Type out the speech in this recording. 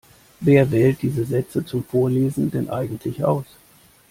Wer wählt diese Sätze zum Vorlesen denn eigentlich aus?